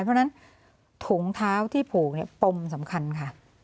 เพราะฉะนั้นถุงเท้าที่ผูกปมสำคัญค่ะ